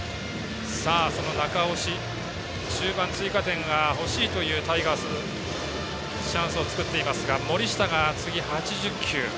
その中押し中盤、追加点が欲しいというタイガースチャンスを作っています。